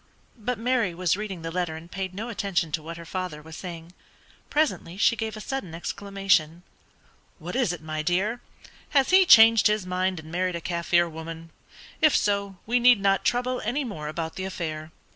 But Mary was reading the letter and paid no attention to what her father was saying. Presently she gave a sudden exclamation. "What is it, my dear; has he changed his mind and married a Kaffir woman? If so, we need not trouble any more about the affair."